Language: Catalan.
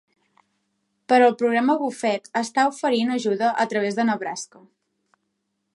Però el programa Buffett està oferint ajuda a través de Nebraska.